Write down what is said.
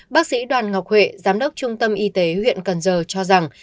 bác sĩ đoàn ngọc huệ giám đốc trung tâm y tế huyện cần giờ cho rằng